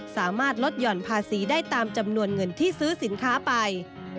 สามารถลดหย่อนภาษีได้ตามจำนวนเงินที่ซื้อสินค้าไป